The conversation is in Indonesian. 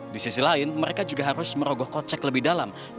di sisi lain mereka juga harus merogoh kocek lebih dalam